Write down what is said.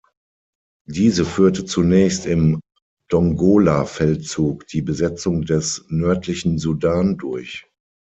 Diese führte zunächst im "Dongola-Feldzug" die Besetzung des nördlichen Sudan durch.